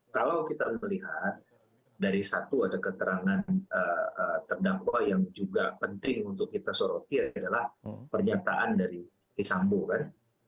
kalau kita melihat dari satu ada keterangan terdakwa yang juga penting untuk kita soroti adalah pernyataan dari isambo kan